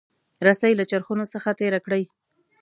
رسۍ له چرخونو څخه تیره کړئ.